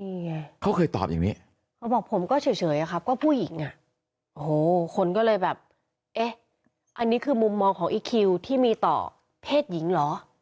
นี่ไงเขาเคยตอบอย่างนี้เขาบอกผมก็เฉยอะครับก็ผู้หญิงอ่ะโอ้โหคนก็เลยแบบเอ๊ะอันนี้คือมุมมองของอีคิวที่มีต่อเพศหญิงเหรอ